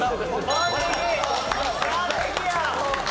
完璧や！